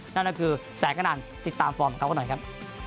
นั่นก็คือแสงกระนันติดตามฟอร์มของเขากันหน่อยครับ